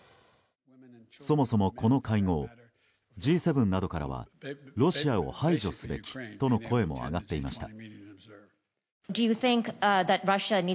そもそも、この会合Ｇ７などからはロシアを排除すべきとの声も上がっていました。